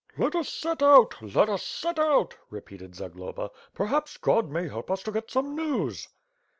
"Let us set out! Let us set out!" repeated Zagloba. "Perhaps God may help us to get some news."